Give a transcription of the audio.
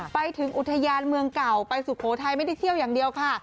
ไปถึงอุทยานเมืองเก่าไปสุโขทัยไม่ได้เที่ยวอย่างเดียวค่ะ